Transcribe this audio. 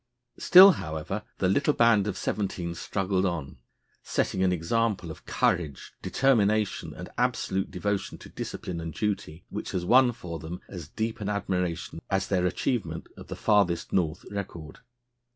Still, however, the little band of seventeen struggled on, setting an example of courage, determination, and absolute devotion to discipline and duty which has won for them as deep an admiration as their achievement of the "farthest North" record.